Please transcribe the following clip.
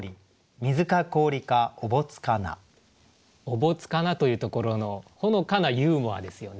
「覚束無」というところのほのかなユーモアですよね。